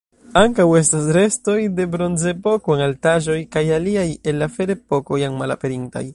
Ankaŭ estas restoj de Bronzepoko en altaĵoj kaj aliaj el la Ferepoko jam malaperintaj.